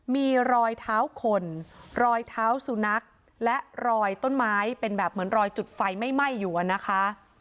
มีรอยเท้าคนรอยเท้าสุนัขและรอยต้นไม้เป็นแบบเหมือนรอยจุดไฟไม่ไหม้อยู่อะนะคะ